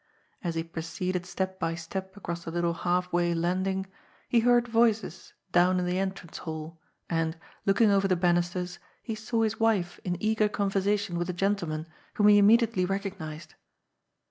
As he proceeded step by step across the little half way landing, he heard voices down in the entrance hall, and, looking over the banisters, he saw his wife in eager con yersation with a gentleman, whom he immediately rec ognized.